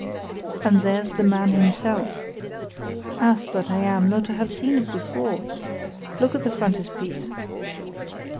"And there's the man himself. Ass that I am not to have seen it before! Look at the frontispiece."